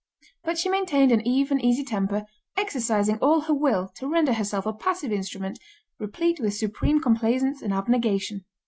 But she maintained an even, easy temper, exercising all her will to render herself a passive instrument, replete with supreme complaisance and abnegation.